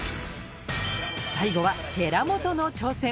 最後は寺本の挑戦